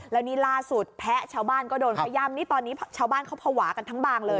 แล้วนี่ล่าสุดแพะชาวบ้านก็โดนขย่ำนี่ตอนนี้ชาวบ้านเขาภาวะกันทั้งบางเลย